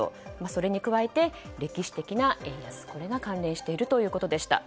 それに加えて歴史的な円安が関連しているということでした。